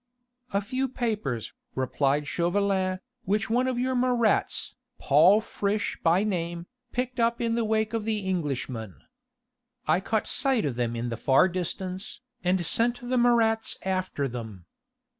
"A few papers," replied Chauvelin, "which one of your Marats, Paul Friche by name, picked up in the wake of the Englishmen. I caught sight of them in the far distance, and sent the Marats after them.